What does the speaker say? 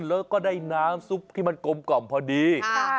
แล้วก็ได้น้ำซุปที่มันกลมกล่อมพอดี